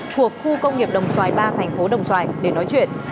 thuộc khu công nghiệp đồng xoài ba thành phố đồng xoài để nói chuyện